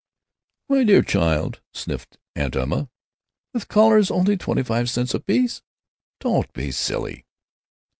"My dear child," sniffed Aunt Emma, "with collars only twenty five cents apiece? Don't be silly!"